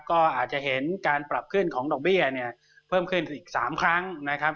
ก็อาจจะเห็นการปรับขึ้นของดอกเบี้ยเนี่ยเพิ่มขึ้นอีก๓ครั้งนะครับ